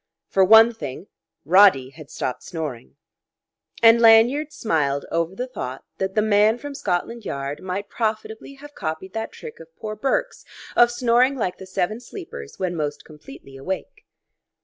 For one thing, Roddy had stopped snoring. And Lanyard smiled over the thought that the man from Scotland Yard might profitably have copied that trick of poor Bourke's, of snoring like the Seven Sleepers when most completely awake....